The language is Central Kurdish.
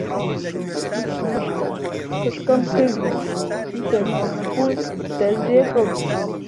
خشکەم کرد و سەرەونخوون دە زێیە کەوتم